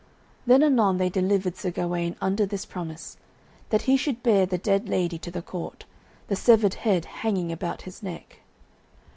Then anon they delivered Sir Gawaine under this promise, that he should bear the dead lady to the court, the severed head hanging about his neck.